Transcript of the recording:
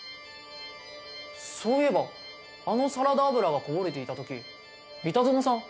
そういえばあのサラダ油がこぼれていた時三田園さん